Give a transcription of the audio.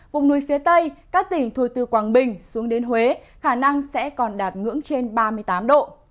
vùng núi phía tây các tỉnh thuộc từ quảng bình xuống đến huế khả năng sẽ còn đạt ngưỡng trên ba mươi tám độ